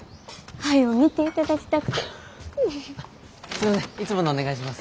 すいませんいつものお願いします。